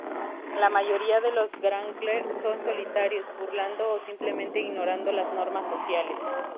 La mayoría de los gangrel son solitarios, burlando, o simplemente ignorando las normas sociales.